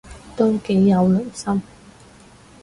都幾有良心